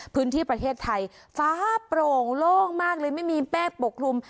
พื้นที่ประเทศไทยฟ้าโปร่งโล่งมากเลยไม่มีเมฆปกคลุม